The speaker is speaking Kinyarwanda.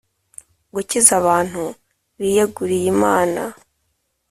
gukiza abantu biyeguriye Imana